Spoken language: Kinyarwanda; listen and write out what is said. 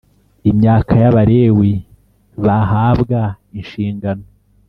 Imyaka y abalewi bahabwa inshingano